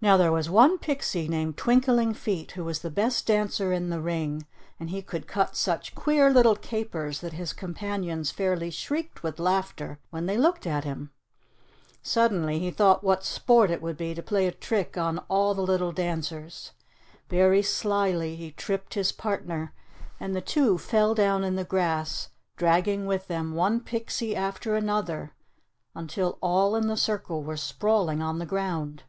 Now there was one pixie named Twinkling Feet who was the best dancer in the ring, and he could cut such queer little capers that his companions fairly shrieked with laughter when they looked at him. Suddenly he thought what sport it would be to play a trick on all the little dancers. Very slyly he tripped his partner, and the two fell down in the grass, dragging with them one pixie after another until all in the circle were sprawling on the ground.